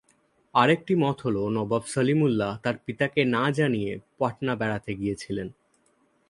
আরেকটি মত হলো নবাব সলিমুল্লাহ তার পিতাকে না জানিয়ে পাটনা বেড়াতে গিয়েছিলেন।